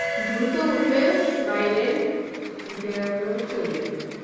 দ্রুত উঠে বাইরে গেল চলে।